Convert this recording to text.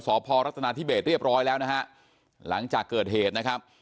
สพรัฐนาธิเบสเรียบร้อยแล้วนะฮะหลังจากเกิดเหตุนะครับ